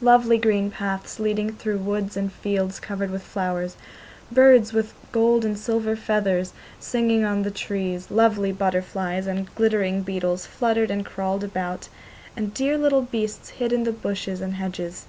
lovely green paths leading through woods and fields covered with flowers, birds with gold and silver feathers singing on the trees, lovely butterflies and glittering beetles fluttered and crawled about, and dear little beasts hid in the bushes and hedges.